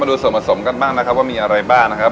ดูส่วนผสมกันบ้างนะครับว่ามีอะไรบ้างนะครับ